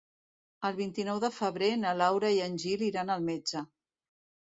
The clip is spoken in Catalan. El vint-i-nou de febrer na Laura i en Gil iran al metge.